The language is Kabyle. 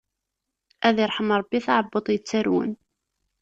Ad irḥem Ṛebbi taɛebbuḍt yettarwen.